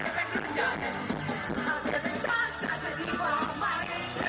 แกจะรู้หรือเปล่าไม่ได้ได้ต้องเจอ